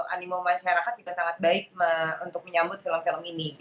animo masyarakat juga sangat baik untuk menyambut film film ini